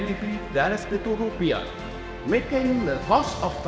membuat transaksi yang sangat efisien dan sangat cepat